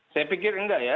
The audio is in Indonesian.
saya pikir enggak ya